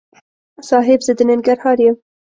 صاحب! زه د ننګرهار یم.